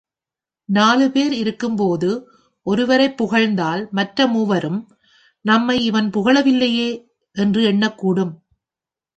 நாலு பேர் இருக்கும்போது ஒருவரைப் புகழ்ந்தால் மற்ற மூவரும், நம்மை இவன் புகழவில்லையே! என்று எண்ணக் கூடும்.